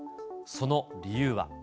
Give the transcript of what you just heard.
その理由は。